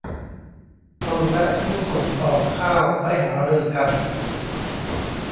ตนและผู้ส่งออกข้าวได้หารือกัน